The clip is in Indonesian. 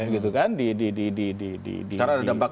karena ada dampak